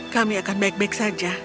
kami akan baik baik saja